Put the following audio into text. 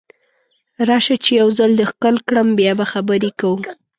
راشه چې یو ځل دې کړم ښکل بیا به خبرې کوو